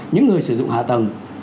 những người sử dụng hạ tầng